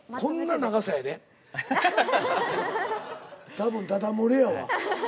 多分だだもれやわ。